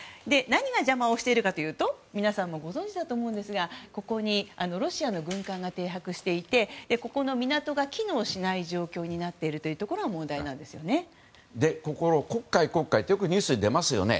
何が邪魔をしているかというと皆さんもご存じだと思いますがここにロシアの軍艦が停泊していてここの港が機能しない状況になっているのがここのところ黒海、黒海ってよくニュースに出ますよね。